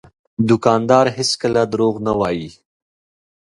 دوکاندار هېڅکله دروغ نه وایي.